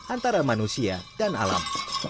antara manusia dan alam